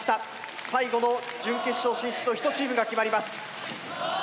最後の準決勝進出の１チームが決まります。